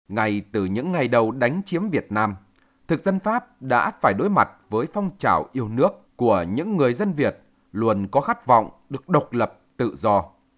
ngay từ những ngày đầu đánh chiếm việt nam thực dân pháp đã phải đối mặt với phong trào yêu nước của những người dân việt luôn có khát vọng được độc lập tự do